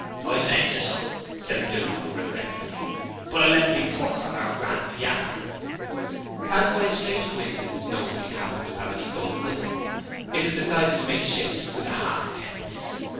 'I'd lend you some,' said Philpot, regretfully, 'but I left me purse on our grand pianner.' As by a strange coincidence nobody happened to have any gold with them, it was decided to make shift with the halfpence.